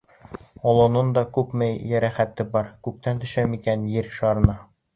Олононда күпме йәрәхәт бар, Күктән төшә микән Ер шарына?!